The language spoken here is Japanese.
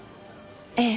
ええ。